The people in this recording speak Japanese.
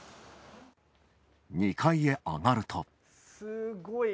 ２階へ上がると。